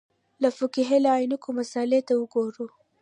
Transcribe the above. د فقهې له عینکو مسألې ته وګورو.